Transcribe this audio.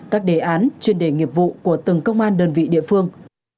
các đề án chuyên đề nghiệp vụ của từng công an đơn vị địa phương